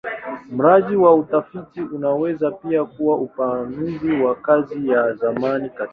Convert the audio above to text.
Mradi wa utafiti unaweza pia kuwa upanuzi wa kazi ya zamani katika shamba.